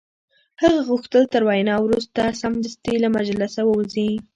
هغه غوښتل تر وینا وروسته سمدستي له مجلسه ووځي